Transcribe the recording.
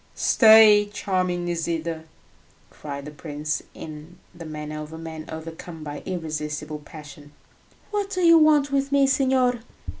"Stay, charming Nisida!" cried the prince, in the manner of a man overcome by irresistible passion. "What do you want with me, signor?"